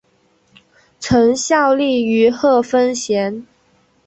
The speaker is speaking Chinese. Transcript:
曾效力于贺芬咸。